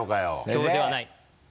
きょうではない。